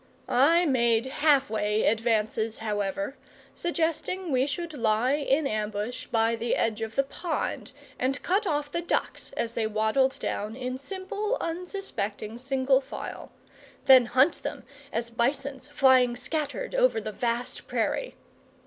I made half way advances, however, suggesting we should lie in ambush by the edge of the pond and cut off the ducks as they waddled down in simple, unsuspecting single file; then hunt them as bisons flying scattered over the vast prairie.